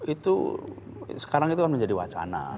itu sekarang itu kan menjadi wacana